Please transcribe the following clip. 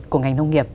của ngành nông nghiệp